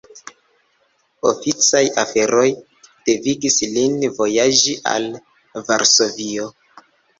Oficaj aferoj devigis lin vojaĝi al Varsovio.